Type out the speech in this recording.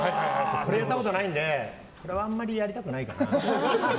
これやったことないのであんまりやりたくないかな。